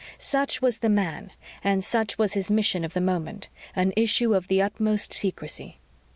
Such was the man, and such was his mission of the moment an issue of the utmost secrecy.